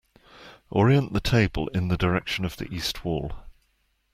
Orient the table in the direction of the east wall.